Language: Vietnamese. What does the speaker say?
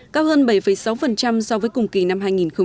cao hơn bảy sáu so với cùng kỳ năm hai nghìn một mươi tám